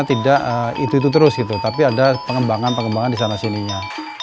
tidak itu itu terus gitu tapi ada pengembangan pengembangan di sana sininya